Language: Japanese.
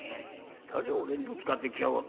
「誰が俺にぶつかってきやがった。